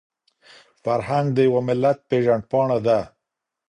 فرهنګ د يو ملت پېژندپاڼه ده.